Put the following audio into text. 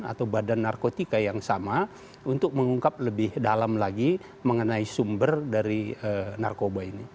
atau badan narkotika yang sama untuk mengungkap lebih dalam lagi mengenai sumber dari narkoba ini